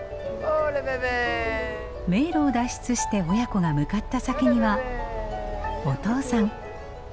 迷路を脱出して親子が向かった先にはお父さん。